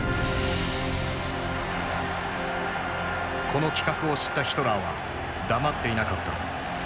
この企画を知ったヒトラーは黙っていなかった。